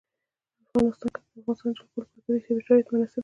په افغانستان کې د د افغانستان جلکو لپاره طبیعي شرایط مناسب دي.